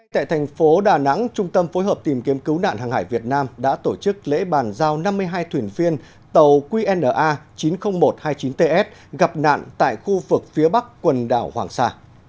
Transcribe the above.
tại thành phố đà nẵng trung tâm phối hợp tìm kiếm cứu nạn hàng hải việt nam đã tổ chức lễ bàn giao năm mươi hai thuyền viên tàu qna chín mươi nghìn một trăm hai mươi chín ts gặp nạn tại khu vực phía bắc quần đảo hoàng sa